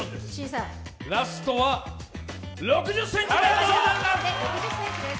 ラストは６０ｃｍ！